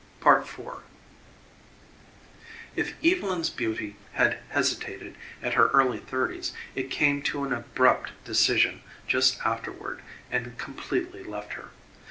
IV If Evylyn's beauty had hesitated an her early thirties it came to an abrupt decision just afterward and completely left her.